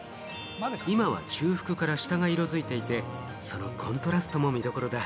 今は中腹から下が色づいていて、そのコントラストも見どころだ。